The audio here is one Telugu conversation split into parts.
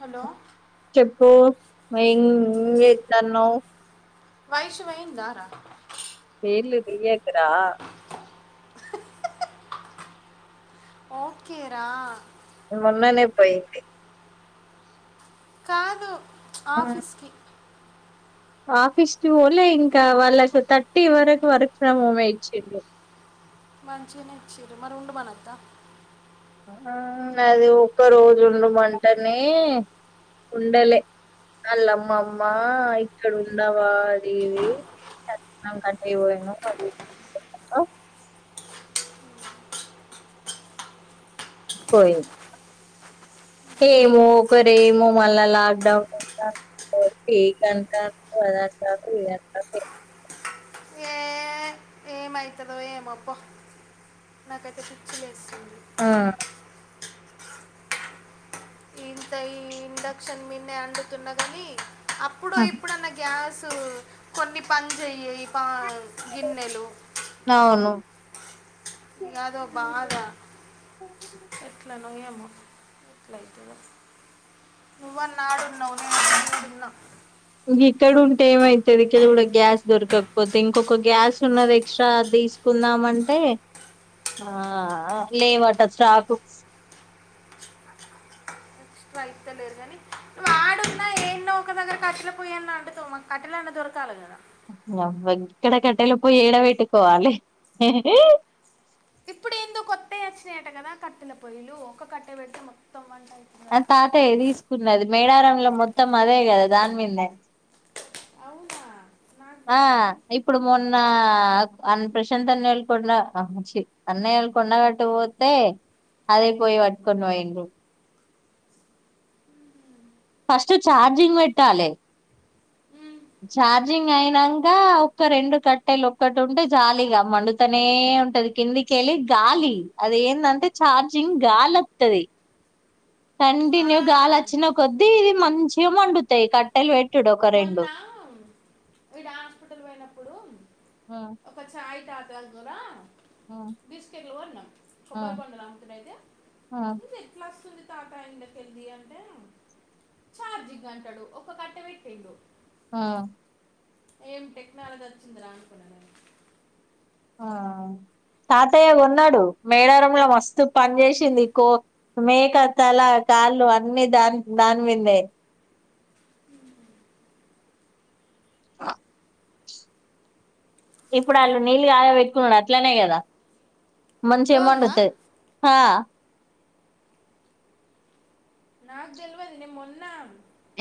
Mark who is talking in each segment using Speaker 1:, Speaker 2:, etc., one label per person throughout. Speaker 1: హలో
Speaker 2: చెప్పు వైన్ ఏం చేత్తన్నావు
Speaker 1: వైషు పోయిందా రా
Speaker 2: పేర్లు తియ్యకు రా
Speaker 1: ఓకే రా
Speaker 2: మొన్ననే పోయింది
Speaker 1: కాదు ఆఫీస్కి
Speaker 2: ఆఫీస్కి పోలే ఇంకా వాళ్లకు థర్టీ వరకు వర్క్ ఫ్రమ్ హోమ్ ఎ ఇచ్చిర్రు.
Speaker 1: మంచిగనే ఇచ్చిర్రు మరి ఉండుమనద్దా
Speaker 2: అ ఆ అది ఒక్కరోజు ఉండుమంటేనే ఉండలే వాళ్ళ అమ్మమ్మ ఇక్కడ ఉండవా అది ఇది [unintelligible] పోయిం ఏమో ఒక్కరేమో మల్లా లాక్ డౌన్ అంట [unintelligible] టి [unintelligible] [unintelligible]
Speaker 1: ఏమైతదో ఏమో పో నాకైతే సిగ్గు లేదు.
Speaker 2: ఆ
Speaker 1: ఇంట్లో ఈ ఇండక్షన్ మీదనే అండుతున్నా కానీ అప్పుడో
Speaker 2: ఆ
Speaker 1: ఇప్పుడన్న గ్యాస్ తు కొన్ని పని చైయు ఈ పా గిన్నెలు
Speaker 2: అవును
Speaker 1: యాదో బాధ ఎట్లనో ఏమో యెట్లయితదో నువ్వన్న ఆడున్నావ్ నేన్ ఈడున్నా
Speaker 2: ఇంగ ఇక్కడ ఉంటే ఏమైతది ఇక్కడ కూడ గ్యాస్ దొరకకపోతే ఇంకొక గ్యాస్ ఉన్నది ఎక్స్ట్రా అది తీసుకుందామంటే ఆ లేవట స్టాక్.
Speaker 1: ఇష్ట అయితేలేదు కానీ నువ్ ఆడున్నా ఏందో ఒక దగ్గర కట్టెల పోయన్న అంటుకోమా కట్టెలన్నా దొరకాల కదా
Speaker 2: వహ్వ ఇక్కడ కట్టెల పోయి ఏడ పెట్టుకోవాలి
Speaker 1: ట కదా కట్టెల పొయ్యలు ఒక్క కట్టే బెట్టి మొత్తం వంట
Speaker 2: ఆ
Speaker 1: అవుతుందట
Speaker 2: తాతయ్య తీసుకున్నది మేడారంలో మొత్తం అదే కదా దాని మిందె
Speaker 1: అవునా నాకు
Speaker 2: ఆ
Speaker 1: తెలియదు
Speaker 2: ఇప్పుడు మొన్న అ అన్ ప్రశాంతన్న వెళ్ళకుండా ఆ చి అన్నయోళ్ళ కొండగట్టు కి పోతే అదే పోయి పట్టుకొని పోయిండు. ఫస్ట్ చార్జింగ్ పెట్టాలె
Speaker 1: ఉమ్,
Speaker 2: చార్జింగ్ అయినంక ఒక రెండు కట్టెలు ఒక్కటి ఉంటే చాలిగ మండుతనే ఉంటది కిందికెళ్ళి గాలి అది ఏందంటే ఛార్జింగ్ గాలొత్తది.
Speaker 1: ఆ,
Speaker 2: కంటిన్యూ గాల్ అచ్చిన కొద్ది ఇది మంచిగ మండుతయి కట్టెలు పెట్
Speaker 1: మొన్నా ఈడ హాస్పిటల్ పోయినప్పుడు
Speaker 2: ఆ
Speaker 1: ఒక ఛాయ్ తా తాగురా
Speaker 2: ఆ
Speaker 1: బిస్కెట్లు కొన్నం
Speaker 2: ఆ
Speaker 1: కొబ్బర్ బోండాలు అంకుల్ అయితే
Speaker 2: ఆ
Speaker 1: ఇది ఎట్లస్తుంది తాత ఎండకి హెల్తీ అంటే చార్జింగ్ అంటాడు ఒక కట్టే పెట్ ఎగ్
Speaker 2: ఆ
Speaker 1: ఏం టెక్నాలజీ వచ్చిందిరా అనుకున్నా నేను
Speaker 2: ఆ తాతయ్య కొన్నాడు మేడారంలో మస్తు పని చేసింది కో మేక తల కాళ్ళు అన్ని దాని దాని మిందే ఇప్పుడు ఆళ్ళు నీళ్ళు కాగా పెట్టుకునుడు అట్లనే గదా మంచి అమౌంట్
Speaker 1: రోజా
Speaker 2: వత్తయి. హ
Speaker 1: నాకు తెల్వది నేను మొన్నా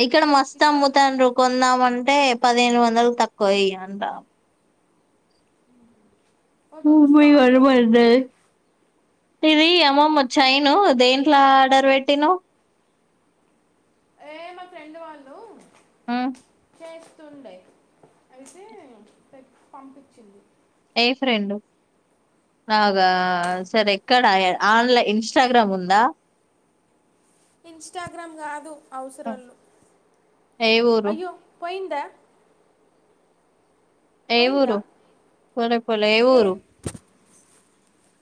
Speaker 2: ఇక్కడ మస్తు అమ్ముతండ్రు కొందామన్ టే పదిహేను వందలు తక్కువ ఈయ్యరంట.
Speaker 1: ఒకటి
Speaker 2: నువ్వు పోయి
Speaker 1: ఉంచుకోవాలి
Speaker 2: [unintelligible] ఇది అమ్మమ్మ చ్చైను దేంట్లో ఆర్డర్ పెట్టినవ్?
Speaker 1: ఏ మా ఫ్రెండు వాళ్ళు
Speaker 2: మ్మ్
Speaker 1: చేస్తుండే అయితే పంపించింది
Speaker 2: ఏ ఫ్రెండు నాగా సరే ఎక్కడ ఆన్లైన్ ఇన్స్టాగ్రామ్ ఉందా
Speaker 1: ఇన్స్టాగ్రామ్ కాదు అవసరాలు
Speaker 2: ఏ ఊరు
Speaker 1: అయ్యో పోయిందా
Speaker 2: ఏ
Speaker 1: పోయిందా
Speaker 2: ఊరు పోలేపోలే
Speaker 1: ఏ
Speaker 2: ఊరు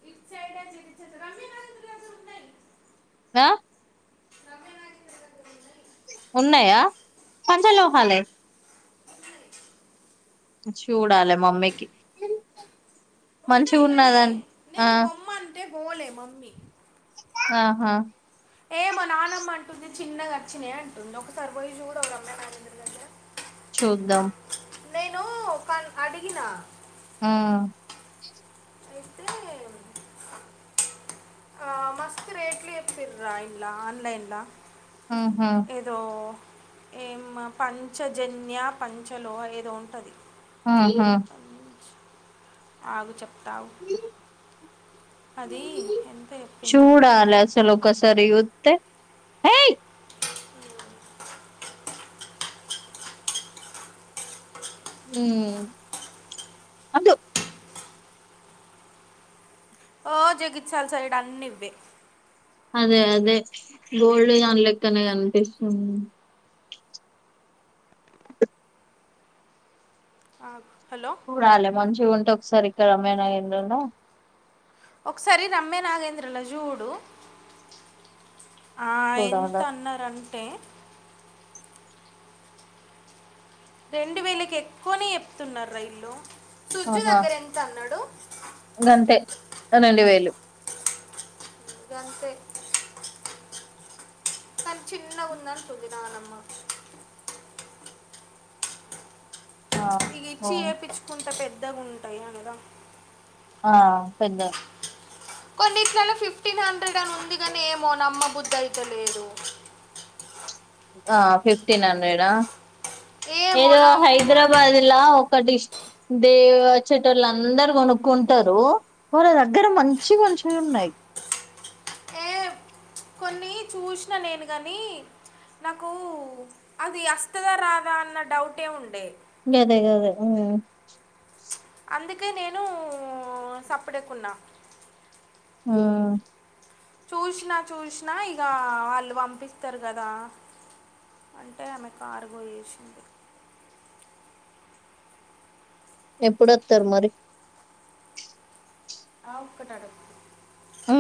Speaker 1: ఇటు సైడే [unintelligible] [unintelligible] రమ్య గాజులు [unintelligible] ఉన్నాయి
Speaker 2: నా
Speaker 1: నవ్య గాజులు [unintelligible]
Speaker 2: ఉన్నాయా పంచలేవ్ మళ్ళీ చూడాల మమ్మీకి మంచి
Speaker 1: ఉన్నాయి కానీ
Speaker 2: ఉన్నదం ఆ
Speaker 1: నేను బోమ్మన్ టే బోలే మమ్మీ
Speaker 2: ఆహా
Speaker 1: ఏ మా నానమ్మ అంటుంది చిన్నగా వచ్చినాయ్ అంటుంది ఒక సారి పొయ్ చూడవురమ్మా మా [unintelligible]
Speaker 2: చూద్దాం
Speaker 1: నేను క అడిగిన
Speaker 2: ఆ
Speaker 1: అయితే ఆ మస్త్ రేట్లు చెప్పిర్ర ఇండ్ల ఆన్లైన్లా
Speaker 2: ఆహా
Speaker 1: ఏదో ఏం పంచజన్య పంచలో ఏదో ఉంటది
Speaker 2: ఆహా
Speaker 1: ఆగు చెప్ తావ్ చెప్పిందంటే
Speaker 2: చూడాలసలు ఒకసారి చూత్తే ఏయ్ మ్మ్ వద్దు
Speaker 1: ఓ జగిత్యాల సైడ్ అన్ని ఇవ్వే
Speaker 2: అదే అదే గోల్డ్ దాని లెక్కనే కనిపిస్తుంది
Speaker 1: ఆగ్
Speaker 2: పూరాలే మంచ్ టుఉంటే ఒకసారి ఇక్కడ మే [unintelligible]
Speaker 1: ఒకసారి రమ్మే నాగేంద్రల జూడు ఆ ఎంత
Speaker 2: చూడాలి
Speaker 1: అన్నరంటే రెండు వేలకి ఎక్కువనే చెప్తున్నార్ ఈల్లు సుజ్జు దగ్గర ఎంత అన్నాడు
Speaker 2: ఇంగ అంతే రెండు వేలు
Speaker 1: గంతే కాని చిన్న గుందంటుంది నానమ్మ
Speaker 2: ఆ ఓ
Speaker 1: పెద్దగుంటై అనగా
Speaker 2: ఆ పెద్ద
Speaker 1: కొన్నిట్లలో ఫిఫ్టీన్ హండ్రెడ్ అని ఉంది గాని, ఏమో నమ్మబుద్దైత లేదు.
Speaker 2: ఆ ఫిఫ్టీన్ హండ్రెడా
Speaker 1: ఏమో
Speaker 2: ఏదో
Speaker 1: నమ్మ
Speaker 2: హైదరాబాద్ లా ఒకటి దేవోచెటోల్లు అందరు కొనుక్కుంటరు, వాళ్ళ దగ్గర మంచిమంచివి ఉన్నాయి
Speaker 1: ఏ కొన్ని చూసిన నేను గానీ నాకు అది అస్తదా రాదా అన్న డౌటే ఉండే
Speaker 2: గదే గదే ఉమ్
Speaker 1: అందుకే నేను సప్పుడేకున్నా
Speaker 2: ఉమ్
Speaker 1: చూసినా చూసినా ఇగ వాళ్ళు పంపిస్తరు గదా అంటే ఆమె కార్గో చేసింది
Speaker 2: ఎప్పుడొత్తరు మరి
Speaker 1: ఆ ఒక్కటడక్కు
Speaker 2: ఉ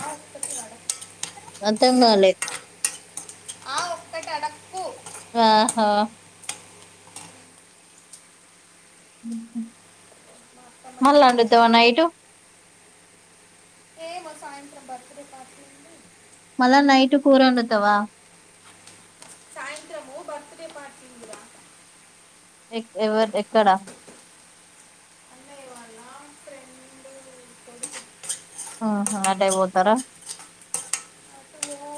Speaker 1: ఆ ఒక్కటి అడక్కు
Speaker 2: అంతం గాలే
Speaker 1: ఆ ఒక్కటి అడక్కు
Speaker 2: ఆహా ఉహు
Speaker 1: మా అత్తమ్మ
Speaker 2: మళ్ళ
Speaker 1: నాకేయాల
Speaker 2: అండుతవ నైటు
Speaker 1: ఏమో సాయంత్రం బర్త్ డే పార్టీ ఉంది
Speaker 2: మళ్ళ నైటు కూరొండుతవా
Speaker 1: సాయంత్రము బర్త్ డే పార్టీ ఉందిరా
Speaker 2: ఎక్ ఎవ ఎక్కడా
Speaker 1: అన్నయ్య వాళ్ళ ఫ్రెండ్ కొడుకు
Speaker 2: ఆహా అటే పోతర
Speaker 1: అటు ఓ